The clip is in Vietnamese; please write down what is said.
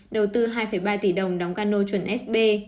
đầu tư hai ba tỷ đồng đóng cano chuẩn sb